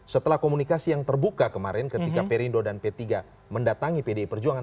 setelah komunikasi yang terbuka kemarin ketika perindo dan p tiga mendatangi pdi perjuangan